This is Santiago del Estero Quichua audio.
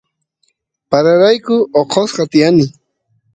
pararayku oqosqa tiyani